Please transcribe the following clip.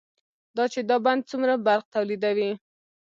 دا چې دا بند څومره برق تولیدوي،